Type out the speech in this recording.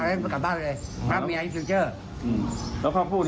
หรือว่าเรียกว่าอะไรงี้เราเค้าจะพูด